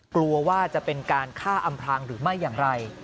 กลัวว่าจะเป็นการฆ่าอำพลางหรือไม่อย่างไร